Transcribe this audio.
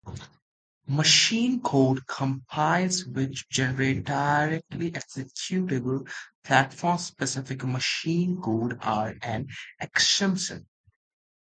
Machine code compilers which generate directly executable, platform-specific machine code, are an exception.